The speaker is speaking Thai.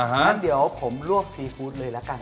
งั้นเดี๋ยวผมลวกซีฟู้ดเลยละกัน